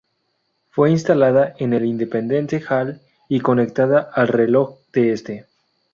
Fue instalada en el Independence Hall y conectada al reloj de este.